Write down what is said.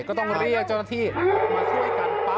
ก็ต้องเรียกเจ้าหน้าที่มาช่วยกันปั๊บ